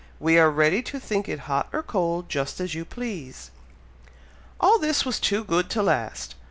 We are ready to think it hot or cold, just as you please!" All this was too good to last!